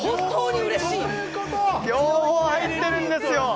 両方入ってるんですよ。